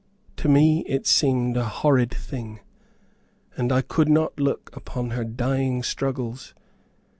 To me it seemed a horrid thing, and I could not look upon her dying struggles.